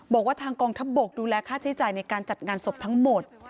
บอกว่าทางกองทัพบกดูแลค่าใช้จ่ายในการจัดงานศพทั้งหมด